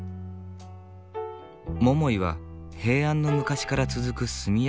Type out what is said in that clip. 百井は平安の昔から続く炭焼きの里。